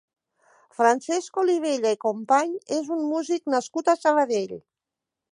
Francesc Olivella i Company és un músic nascut a Sabadell.